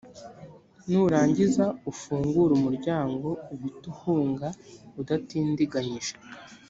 nurangiza ufungure umuryango uhite uhunga udatindiganyije